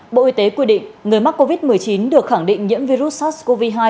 bộ y tế quy định người mắc covid một mươi chín được khẳng định nhiễm virus sars cov hai